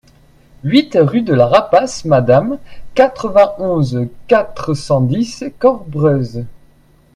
huit rue de la Rapasse Madame, quatre-vingt-onze, quatre cent dix, Corbreuse